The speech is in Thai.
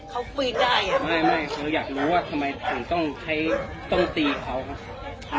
เขาปีนได้อ่ะไม่ไม่เราอยากรู้ว่าทำไมทำใครต้องตีเขา